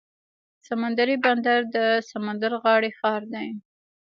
سمندري بندر د سمندر غاړې ښار دی.